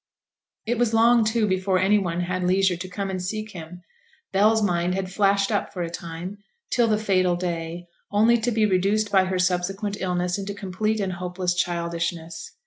It was long, too, before any one had leisure to come and seek him. Bell's mind had flashed up for a time, till the fatal day, only to be reduced by her subsequent illness into complete and hopeless childishness.